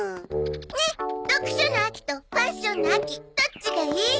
ねえ読書の秋とファッションの秋どっちがいい？